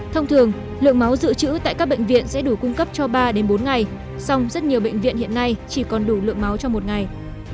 thông thường lượng máu dự trữ tại các bệnh viện sẽ đủ cung cấp cho ba bốn ngày song rất nhiều bệnh viện hiện nay chỉ còn đủ lượng máu cho một ngày